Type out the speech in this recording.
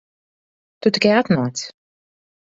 Tu tikai atnāc.